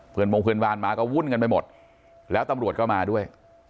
มงเพื่อนบ้านมาก็วุ่นกันไปหมดแล้วตำรวจก็มาด้วย